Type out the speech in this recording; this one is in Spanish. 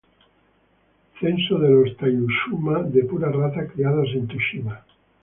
Censo de los Taishū-uma de pura raza criados en Tsushima